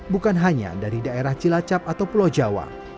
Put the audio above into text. bukan hanya dari daerah cilacap atau pulau jawa